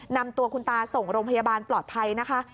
นำตัวคุณตาส่งโรงพยาบาลปลอดภัยนะคะ